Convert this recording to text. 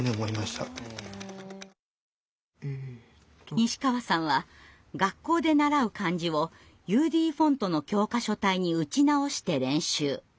西川さんは学校で習う漢字をＵＤフォントの教科書体に打ち直して練習。